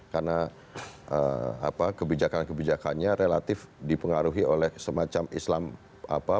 karena kebijakan kebijakannya relatif dipengaruhi oleh semacam islam apa